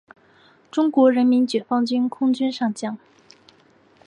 中国人民解放军空军上将。